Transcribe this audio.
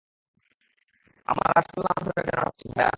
আমার আসল নাম ধরে কেন ডাকছো, ভায়া?